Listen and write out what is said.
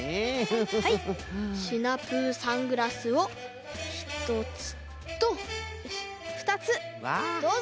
はいシナプーサングラスをひとつとふたつどうぞ。